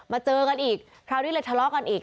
เจอกันอีกคราวนี้เลยทะเลาะกันอีก